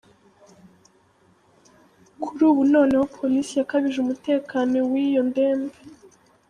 Kuri ubu noneho police yakajije umutekano w’iyo ndembe!